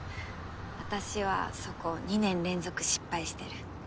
私はそこ２年連続失敗してる。